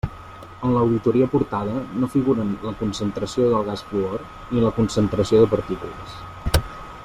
En l'auditoria aportada no figuren la concentració del gas fluor, ni la concentració de partícules.